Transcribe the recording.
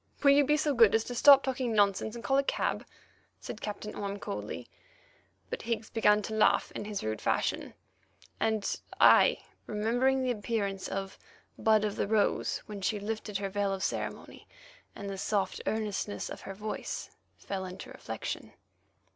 "Will you be so good as to stop talking nonsense and call a cab," said Captain Orme coldly. But Higgs began to laugh in his rude fashion, and I, remembering the appearance of "Bud of the Rose" when she lifted her veil of ceremony, and the soft earnestness of her voice, fell into reflection.